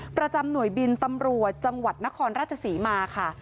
ประจำหน่วยบินตำรวจจังหวัดนครราชศรีมาค่ะ